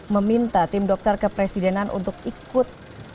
meminta tim dokter kepresidenan untuk ikut